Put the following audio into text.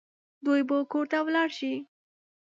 دوی به کور ته ولاړ شي